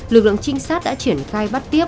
lực lượng trinh sát đã triển khai bắt tiếp